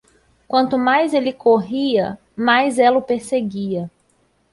Quanto mais ele corria, mais ela o perseguia.